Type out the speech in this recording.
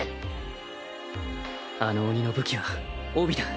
あの鬼の武器は帯だ